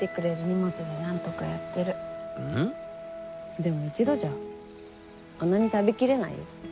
でも一度じゃあんなに食べきれないよ。